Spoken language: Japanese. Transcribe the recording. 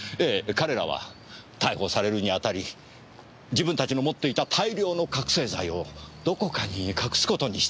彼らは逮捕されるにあたり自分たちの持っていた大量の覚せい剤をどこかに隠すことにしたんです。